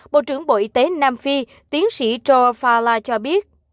bộ trưởng bộ y tế nam phi tiến sĩ joe fala cho biết